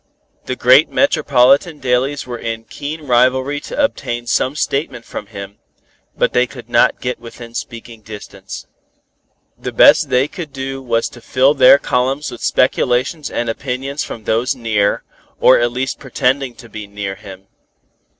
The great metropolitan dailies were in keen rivalry to obtain some statement from him, but they could not get within speaking distance. The best they could do was to fill their columns with speculations and opinions from those near, or at least pretending to be near him.